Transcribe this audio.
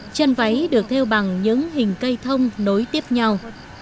chân váy được theo bằng những hình cây thông nối tiếp nhau